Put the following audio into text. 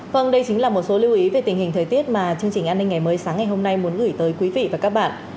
vâng đây chính là một số lưu ý về tình hình thời tiết mà chương trình an ninh ngày mới sáng ngày hôm nay muốn gửi tới quý vị và các bạn